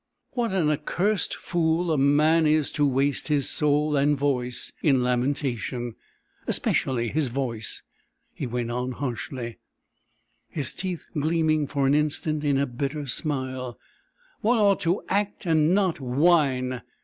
"What an accursed fool a man is to waste his soul and voice in lamentation especially his voice," he went on harshly, his teeth gleaming for an instant in a bitter smile. "One ought to act and not whine.